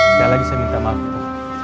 sekali lagi saya minta maaf itu